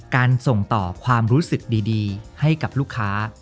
การส่งต่อความรู้สึกดีให้กับลูกค้า